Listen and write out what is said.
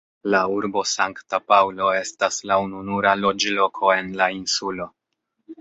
La urbo Sankta Paŭlo estas la ununura loĝloko en la insulo.